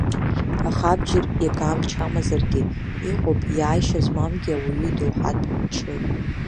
Аха абџьар ега амч амазаргьы, иҟоуп иааишьа змамгьы ауаҩы идоуҳатә мчы.